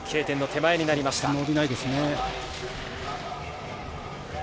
Ｋ点の手前になりました。